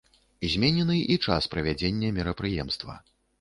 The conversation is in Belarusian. Зменены і час правядзення мерапрыемства.